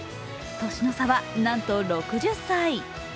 年の差はなんと６０歳。